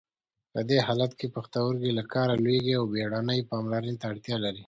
په دې حالت کې پښتورګي له کاره لویږي او بیړنۍ پاملرنې ته اړتیا لري.